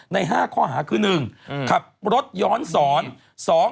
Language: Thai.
ใน๕ข้อหาคือ๑ขับรถย้อนสอน